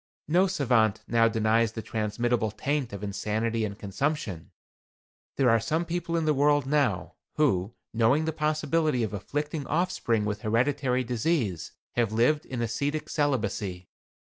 No savant now denies the transmittable taint of insanity and consumption. There are some people in the world now, who, knowing the possibility of afflicting offspring with hereditary disease, have lived in ascetic celibacy.